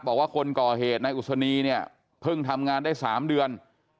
บอกว่าคนก่อเหตุนายอุศนีเนี่ยเพิ่งทำงานได้๓เดือน